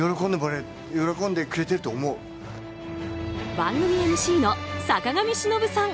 番組ＭＣの坂上忍さん。